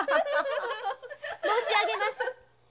・申しあげます。